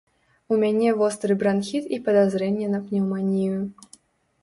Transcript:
У мяне востры бранхіт і падазрэнне на пнеўманію.